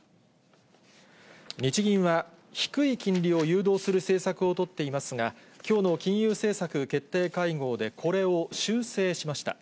日銀は、低い金利を誘導する政策を取っていますが、きょうの金融政策決定会合でこれを修正しました。